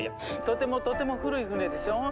とてもとても古い船でしょう。